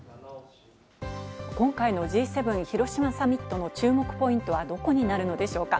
今回のＧ７広島サミットの注目ポイントはどこになるのでしょうか？